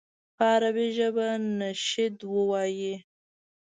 په عربي ژبه نشید ووایي.